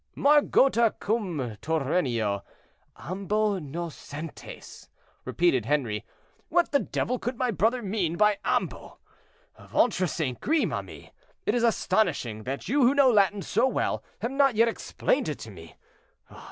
"Margota cum Turennio, ambo nocentes," repeated Henri. "What the devil could my brother mean by 'ambo!' Ventre St. Gris, ma mie, it is astonishing that you who know Latin so well have not yet explained it to me.